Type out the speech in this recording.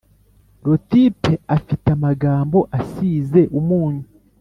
Rotipe Afite amagambo assize umunyu